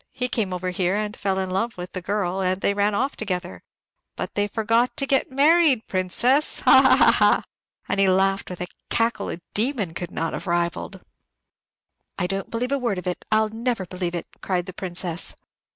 He came over here and fell in love with the girl, and they ran off together; but they forgot to get married, Princess. Ha ha ha!" And he laughed with a cackle a demon could not have rivalled. "I don't believe a word of it, I'll never believe it," cried the Princess.